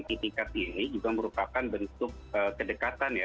itikat ini juga merupakan bentuk kedekatan ya